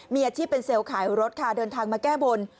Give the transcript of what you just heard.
มีอาชีพเป็นเซลล์ขายรถค่ะเดินทางมาแก้บน